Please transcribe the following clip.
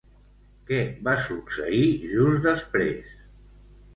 Què va succeir just després?